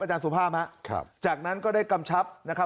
อาจารย์สุภาพครับจากนั้นก็ได้กำชับนะครับ